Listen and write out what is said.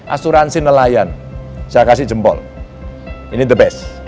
asuransi nelayan saya kasih jempol ini the best